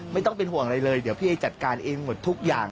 ไม่ต้องเป็นห่วงอะไรเลยเดี๋ยวพี่เอจัดการเองหมดทุกอย่าง